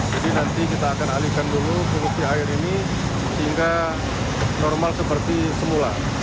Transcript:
jadi nanti kita akan alihkan dulu bukti air ini hingga normal seperti semula